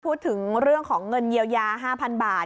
พูดถึงเรื่องของเงินเยียวยา๕๐๐๐บาท